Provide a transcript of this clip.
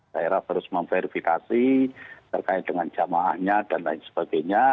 daerah harus memverifikasi terkait dengan jamaahnya dan lain sebagainya